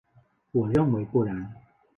我认为不然。